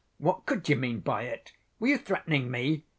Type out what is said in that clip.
What could you mean by it? Were you threatening me?